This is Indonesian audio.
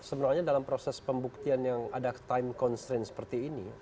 sebenarnya dalam proses pembuktian yang ada time constraint seperti ini